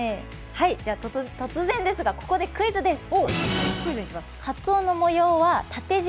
突然ですが、ここでクイズです。